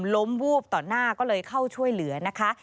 วูบต่อหน้าก็เลยเข้าช่วยเหลือนะคะ